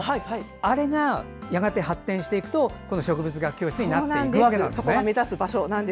あれが発展していくと植物学教室になっていくわけですね。